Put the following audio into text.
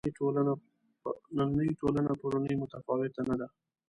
نننۍ ټولنه پرونۍ متفاوته نه دي.